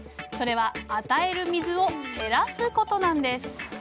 それは与える水を減らすことなんです。